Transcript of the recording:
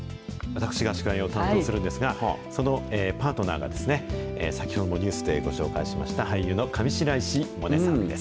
私が司会を担当するんですが、そのパートナーが、先ほどもニュースでご紹介しました、俳優の上白石萌音さんです。